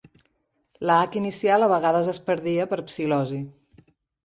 La "h" inicial a vegades es perdia per psilosi.